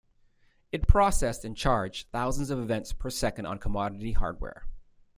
It processed and charge thousands of events per second on commodity hardware.